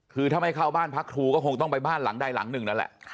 คือถ้าไม่เข้าบ้านพักครูก็คงต้องไปบ้านหลังใดหลังหนึ่งนั่นแหละ